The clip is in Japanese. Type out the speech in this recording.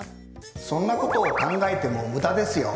そんなことを考えても無駄ですよ。